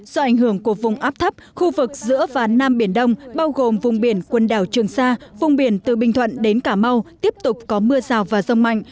do ảnh hưởng của vùng áp thấp khu vực giữa và nam biển đông bao gồm vùng biển quần đảo trường sa vùng biển từ bình thuận đến cà mau tiếp tục có mưa rào và rông mạnh